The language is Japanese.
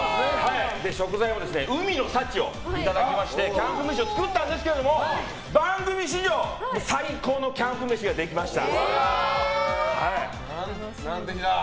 食材も海の幸をいただきましてキャンプ飯を作ったんですけど番組史上最高のキャンプ飯ができました。